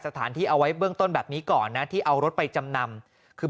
สถานที่เอาไว้เบื้องต้นแบบนี้ก่อนนะที่เอารถไปจำนำคือ